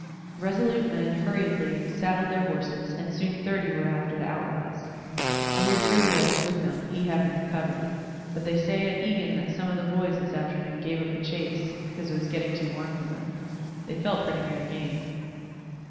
Resolute men hurriedly saddled their horses, and soon thirty were after the outlaws. I hear Griswold is with them, he having recovered. But they say at Egan that some of the boys this afternoon gave up the chase, because it was getting too warm for them; they felt pretty near the game."